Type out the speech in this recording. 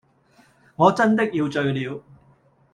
我真的要醉了！